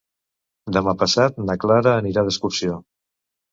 Demà passat na Clara anirà d'excursió.